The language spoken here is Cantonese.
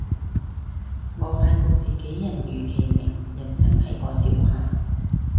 我發覺自己人如其名，人生係個笑話